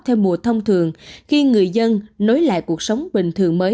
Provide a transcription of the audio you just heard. theo mùa thông thường khi người dân nối lại cuộc sống bình thường mới